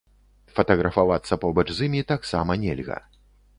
Фатаграфавацца побач з імі таксама нельга.